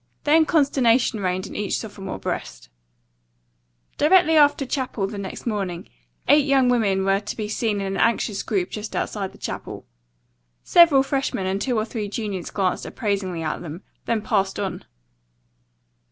Then consternation reigned in each sophomore breast. Directly after chapel the next morning, eight young women were to be seen in an anxious group just outside the chapel. Several freshmen and two or three juniors glanced appraisingly at them, then passed on.